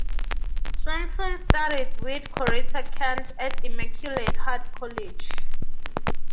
Swanson studied with Corita Kent at Immaculate Heart College.